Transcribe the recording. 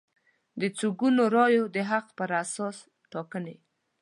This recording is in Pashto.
د څو ګونو رایو د حق پر اساس ټاکنې